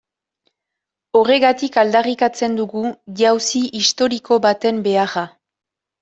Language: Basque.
Horregatik aldarrikatzen dugu jauzi historiko baten beharra.